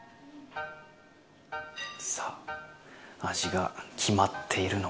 さあ味が決まっているのかどうか。